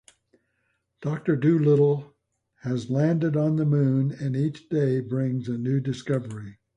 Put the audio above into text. Doctor Dolittle has landed on the Moon and each day brings a new discovery.